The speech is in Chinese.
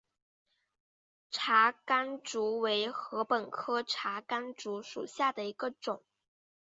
茶竿竹为禾本科茶秆竹属下的一个种。